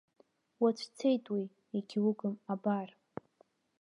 Уацәцеит уи, егьугым, абар.